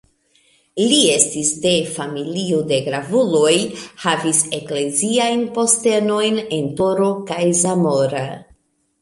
Li estis de familio de gravuloj, havis ekleziajn postenojn en Toro kaj Zamora.